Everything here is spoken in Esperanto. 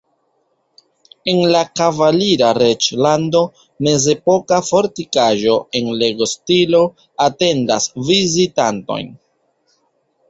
En la "kavalira reĝlando" mezepoka fortikaĵo en Lego-stilo atendas vizitantojn.